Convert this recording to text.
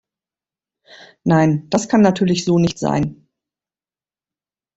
Nein, das kann natürlich so nicht sein!